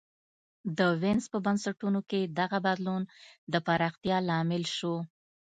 د وینز په بنسټونو کې دغه بدلون د پراختیا لامل شو